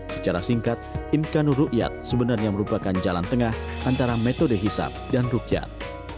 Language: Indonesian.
secara singkat imkanur rukyat sebenarnya merupakan jalan tengah antara metode hisap dan rukyat